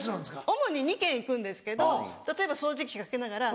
主に２軒行くんですけど例えば掃除機かけながら